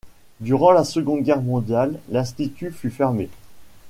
Durant la Seconde Guerre mondiale, l'institut fut fermé.